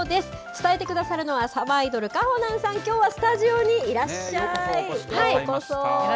伝えてくださるのはさばいどる、かほなんさん、きょうはスタジオにいらっしゃい、よ